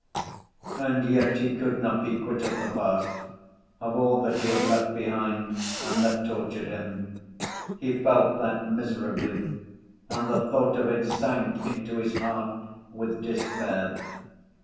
And yet he could not be quit of the past, of all that he had left behind and that tortured him. He felt that miserably, and the thought of it sank into his heart with despair.